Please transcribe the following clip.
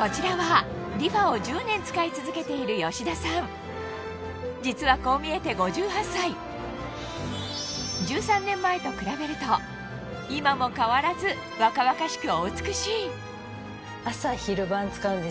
こちらはリファを１０年使い続けている吉田さん実はこう見えて５８歳１３年前と比べると今も変わらず若々しく